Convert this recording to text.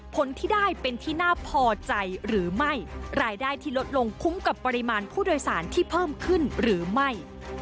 ผลที่ได้เป็นที่น่าพอใจหรือไม่รายได้ที่ลดลงคุ้มกับปริมาณผู้โดยสารที่เพิ่มขึ้นหรือไม่